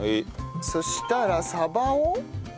そしたらサバを？